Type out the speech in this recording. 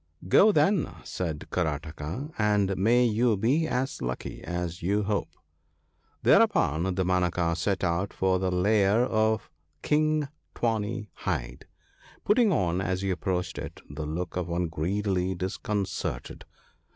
' Go, then/ said Karataka ;' and may you be as lucky as you hope.' " Thereupon Damanaka set out for the lair of King Tawny hide; putting on, as he approached it, the look of one greatly disconcerted.